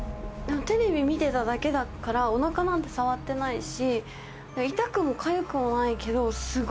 テレビ見てただけだからおなかなんて触ってないし何？